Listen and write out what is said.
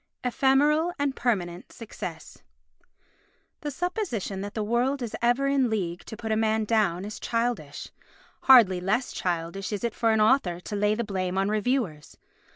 Ephemeral and Permanent Success The supposition that the world is ever in league to put a man down is childish. Hardly less childish is it for an author to lay the blame on reviewers.